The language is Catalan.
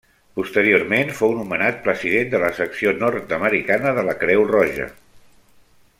Posteriorment fou nomenat president de la secció nord-americana de la Creu Roja.